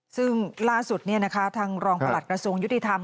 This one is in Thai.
ซึ่งล่าสุดทางรองประหลัดกระทรวงยุติธรรม